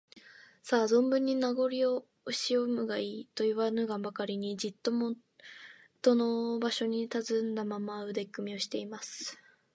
「さあ、ぞんぶんに名ごりをおしむがいい」といわぬばかりに、じっともとの場所にたたずんだまま、腕組みをしています。